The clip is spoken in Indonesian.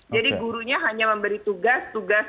jadi gurunya hanya memberi tugas